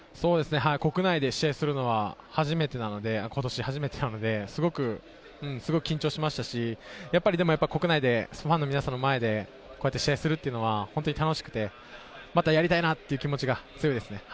国内で試合するのは今年初めてなので、すごく緊張しましたし、でも国内でファンの皆さんの前でこうやって試合するっていうのは楽しくて、またやりたいなという気持ちが強いです。